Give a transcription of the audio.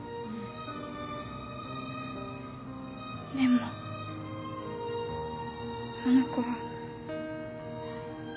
でもあの子は